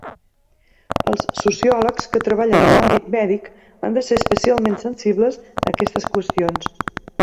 Els sociòlegs que treballen a l'àmbit mèdic han de ser especialment sensibles a aquestes qüestions.